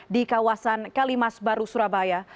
di kawasan kalimas baru surabaya